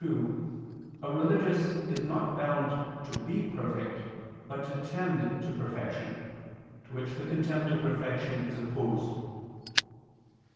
2), a religious is not bound to be perfect, but to tend to perfection, to which the contempt of perfection is opposed.